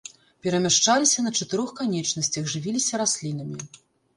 Перамяшчаліся на чатырох канечнасцях, жывіліся раслінамі.